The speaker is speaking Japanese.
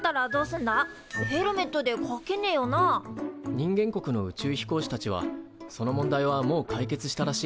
人間国の宇宙飛行士たちはその問題はもう解決したらしい。